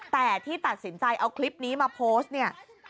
แต่ที่ตัดสินใจเอาคลิปนี้มาโพสต์เนี่ย